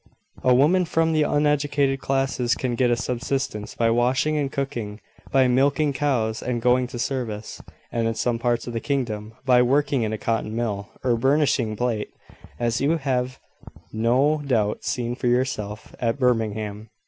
A woman from the uneducated classes can get a subsistence by washing and cooking, by milking cows and going to service, and, in some parts of the kingdom, by working in a cotton mill, or burnishing plate, as you have no doubt seen for yourself at Birmingham.